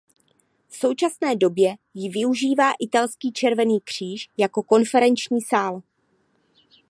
V současné době ji využívá italský Červený kříž jako konferenční sál.